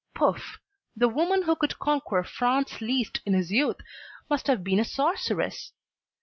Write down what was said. Pouf! the woman who could conquer Franz Liszt in his youth must have been a sorceress.